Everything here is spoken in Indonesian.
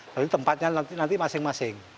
jadi tempatnya nanti masing masing